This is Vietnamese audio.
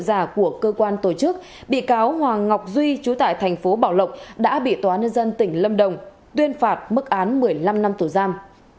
giả của cơ quan tổ chức bị cáo hoàng ngọc duy chú tại thành phố bảo lộc đã bị tòa nhân dân tỉnh lâm đồng tuyên phạt mức án một mươi năm năm tổ giam